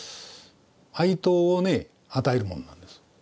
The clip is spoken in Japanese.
愛刀をね与えるものなんです。